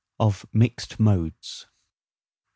OF MIXED MODES. 1.